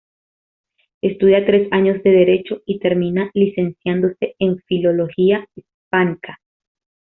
Estudia tres años de Derecho, y termina licenciándose en Filología Hispánica.